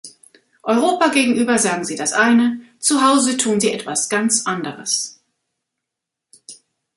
Europa gegenüber sagen sie das eine, Zuhause tun sie etwas ganz anderes.